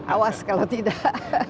awas kalau tidak